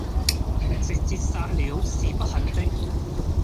直捷殺了，是不肯的，